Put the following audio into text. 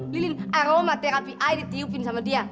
lilin aroma terapi air ditiupin sama dia